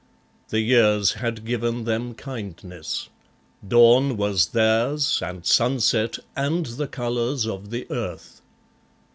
The years had given them kindness. Dawn was theirs, And sunset, and the colours of the earth.